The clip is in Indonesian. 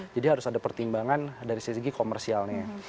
jadi harus ada pertimbangan dari segi segi komersialnya